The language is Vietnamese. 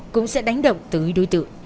cũng sẽ đánh động tới đối tượng